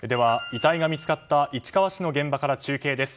遺体が見つかった市川市の現場から中継です。